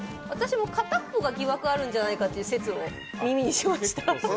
片っぽが疑惑があるんじゃないかというのを耳にしました。